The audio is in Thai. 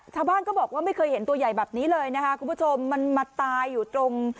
ชาวบ้านก็บอกว่าไม่เคยเห็นตัวใหญ่แบบนี้เลยนะคะคุณผู้ชมมันมาตายอยู่ตรง